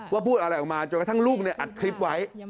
พูดอะไรออกมาจนกระทั่งลูกอัดคลิปไว้